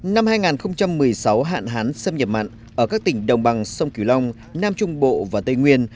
năm hai nghìn một mươi sáu hạn hán xâm nhập mặn ở các tỉnh đồng bằng sông kiều long nam trung bộ và tây nguyên